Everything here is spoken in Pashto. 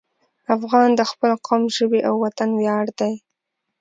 افغان د خپل قوم، ژبې او وطن ویاړ دی.